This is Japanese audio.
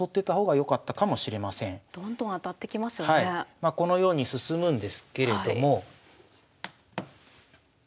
まあこのように進むんですけれども。